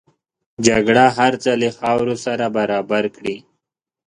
جګړه هر څه له خاورو سره برابر کړي